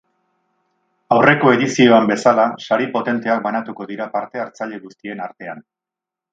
Aurreko edizioan bezala, sari potenteak banatuko dira parte hartzaile guztien artean.